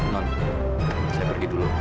non saya pergi dulu